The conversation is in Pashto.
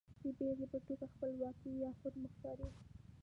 د بېلګې په توګه خپلواکي يا خودمختاري.